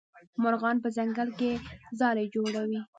مرغان په ځنګل کې ځالې جوړوي.